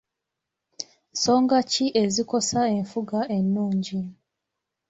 Nsonga ki ezikosa enfuga ennungi?